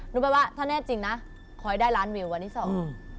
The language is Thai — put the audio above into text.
แปลว่าถ้าแน่จริงนะคอยได้ล้านวิววันที่สอง